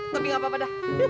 tapi gapapa dah